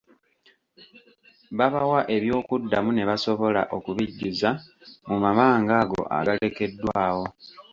Babawa ebyokuddamu ne basobola okubijjuza mu mabanga ago agalekeddwawo.